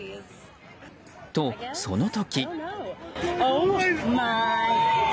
と、その時。